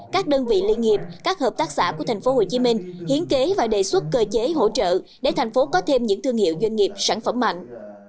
các đơn vị liên nghiệp các hợp tác xã của tp hcm hiến kế và đề xuất cơ chế hỗ trợ để thành phố có thêm những thương hiệu doanh nghiệp sản phẩm mạnh